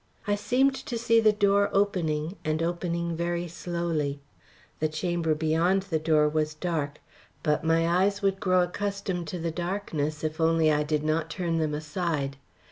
I seemed to see the door opening, and opening very slowly. The chamber beyond the door was dark, but my eyes would grow accustomed to the darkness if only I did not turn them aside.